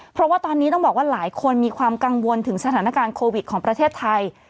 เพราะว่าตอนนี้ต้องบอกว่าหลายคนมีความกังวลถึงสถานการณ์โควิดของประเทศไทย